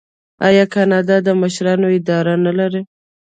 آیا کاناډا د مشرانو اداره نلري؟